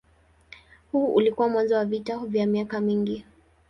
Huu ulikuwa mwanzo wa vita vya miaka mingi.